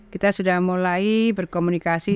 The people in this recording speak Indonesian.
kita sudah mulai berkomunikasi